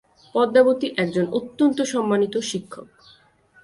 পদ্মাবতী একজন অত্যন্ত সম্মানিত শিক্ষক।